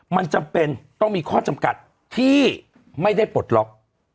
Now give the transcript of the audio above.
มันจำเป็นต้องมีข้อจำกัดที่ไม่ได้ปลดล็อก